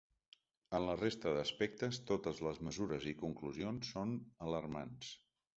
En la resta d’aspectes, totes les mesures i conclusions són alarmants.